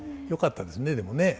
よかったですねでもね